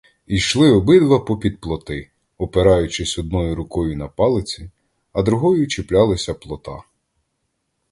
Йшли обидва попід плоти, опираючись одною рукою на палиці, а другою чіплялися плота.